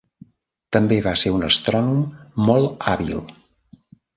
També va ser un astrònom molt hàbil.